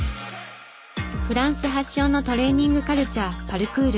フランス発祥のトレーニングカルチャーパルクール。